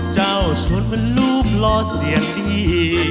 เจ้าชนมันรูปลอเสียดี